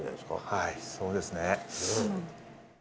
はいそうですね。